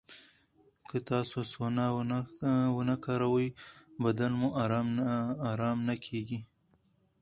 که تاسو سونا ونه کاروئ، بدن مو ارام نه کېږي.